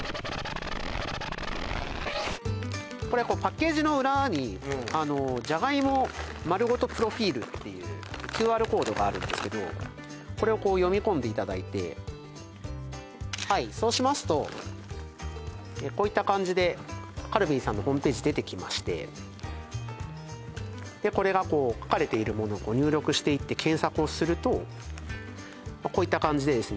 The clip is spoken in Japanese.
これこうパッケージの裏にあの「じゃがいも丸ごと！プロフィール」っていうＱＲコードがあるんですけどこれをこう読み込んでいただいてはいそうしますとこういった感じでカルビーさんのホームページ出てきましてでこれがこうこう書かれているものを入力していって検索をするとこういった感じでですね